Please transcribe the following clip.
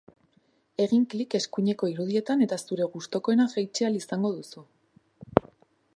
Egin klik eskuineko irudietan eta zure gustukoena jaitsi ahal izango duzu!